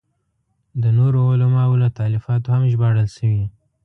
د نورو علماوو له تالیفاتو هم ژباړل شوي.